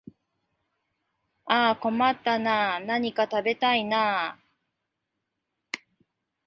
ああ困ったなあ、何か食べたいなあ